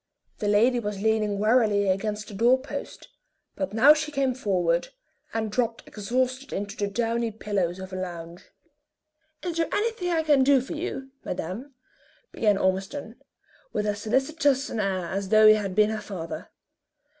The lady was leaning wearily against the door post, but now she came forward, and dropped exhausted into the downy pillows of a lounge. "Is there anything I can do for you, madame?" began Ormiston, with as solicitous an air as though he had been her father.